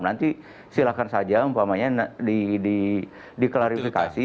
nanti silahkan saja umpamanya diklarifikasi